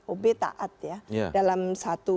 obe taat ya dalam satu